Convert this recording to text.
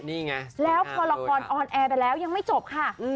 นี่ไงแบบนี้แล้วก็ละครออนแอร์ไปแล้วยังไม่จบค่ะอืม